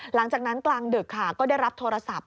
หลังจากนั้นกลางดึกค่ะก็ได้รับโทรศัพท์